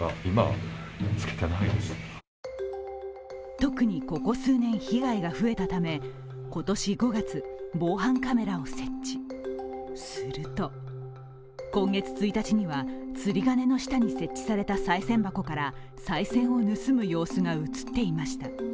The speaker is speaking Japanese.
特にここ数年、被害が増えたため今月１日には釣り鐘の下に設置されたさい銭箱からさい銭を盗む様子が映っていました。